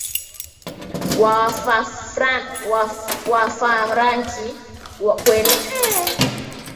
na Wafaranki kuenea zaidi Ulaya bara Kabila hilo kubwa la Kigermanik